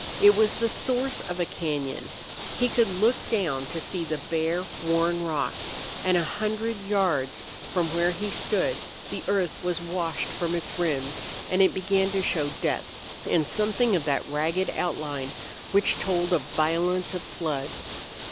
It was the source of a cañon. He could look down to see the bare, worn rock, and a hundred yards from where he stood the earth was washed from its rims and it began to show depth and something of that ragged outline which told of violence of flood.